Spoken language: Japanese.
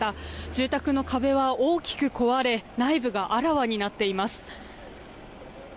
住宅の壁は大きく壊れ内部があらわになっています。